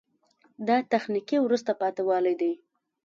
دا تخنیکي وروسته پاتې والی ده.